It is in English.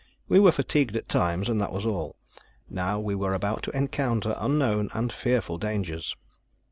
We were fatigued at times; and that was all. Now we were about to encounter unknown and fearful dangers.